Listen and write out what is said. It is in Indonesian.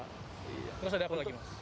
terus ada apa lagi mas